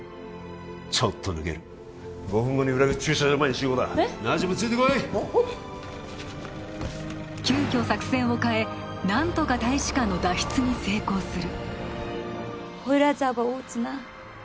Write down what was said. ちょっと抜ける５分後に裏口駐車場前に集合だナジュムついてこい急きょ作戦を変えなんとか大使館の脱出に成功する